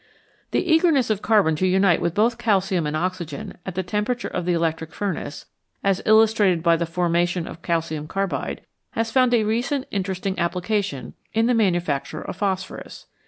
The eagerness of carbon to unite with both calcium and oxygen at the temperature of the electric furnace, as illustrated by the formation of calcium carbide, has found a recent interesting application in the manufacture of phosphorus.